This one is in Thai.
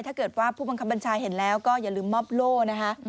ถ้าเกิดว่าผู้บังคับบัญชาเห็นแล้วก็อย่าลืมมอบโล่นะคะ